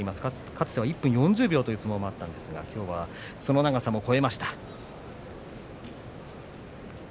かつては１分４０秒という相撲もあったんですが、きょうはその長さも超えました。